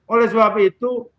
oleh sebab itu